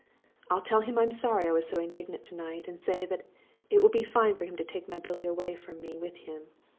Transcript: I'll tell him I'm sorry I was so indignant to night, and say that I think it will be fine for him to take my Billy away from me with him.